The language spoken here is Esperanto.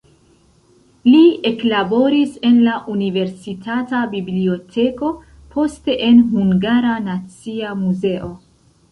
Li eklaboris en la universitata biblioteko, poste en Hungara Nacia Muzeo.